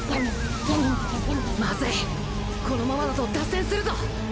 まずいこのままだと脱線するぞ。